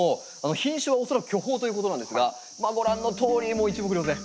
品種は恐らく巨峰ということなんですがまあご覧のとおりもう一目瞭然。